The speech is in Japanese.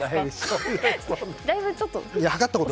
だいぶちょっと？